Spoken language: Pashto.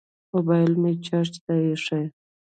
موبیل مې چارج ته ایښی